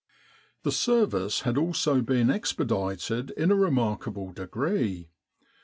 The service had also been expedited in a remark able degree.